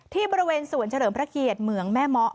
บริเวณสวนเฉลิมพระเกียรติเหมืองแม่เมาะ